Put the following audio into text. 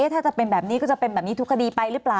ถ้าจะเป็นแบบนี้ก็จะเป็นแบบนี้ทุกคดีไปหรือเปล่า